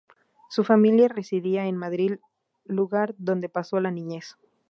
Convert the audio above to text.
Su familia residía en Madrid, lugar donde pasó la niñez.